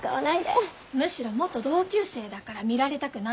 むしろ元同級生だから見られたくないの。